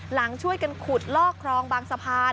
หลังช่วยกันขุดลอกครองบางสะพาน